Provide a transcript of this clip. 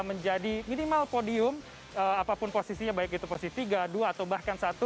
menjadi minimal podium apapun posisinya baik itu posisi tiga dua atau bahkan satu